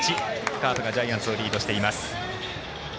カープがジャイアンツをリードしています。